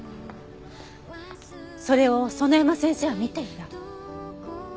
それを園山先生は見ていた。